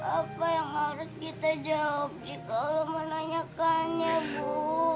apa yang harus kita jawab jika menanyakannya bu